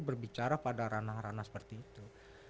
berbicara pada ranah ranah seperti itu